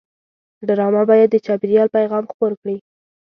ډرامه باید د چاپېریال پیغام خپور کړي